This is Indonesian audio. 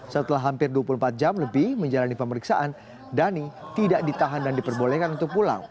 setelah hampir dua puluh empat jam lebih menjalani pemeriksaan dhani tidak ditahan dan diperbolehkan untuk pulang